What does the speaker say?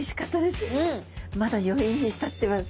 まだ余韻に浸ってます。